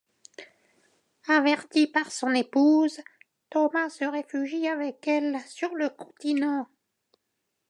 Averti par son épouse, Thomas se réfugie avec elle sur le continent.